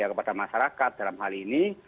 kepada masyarakat dalam hal ini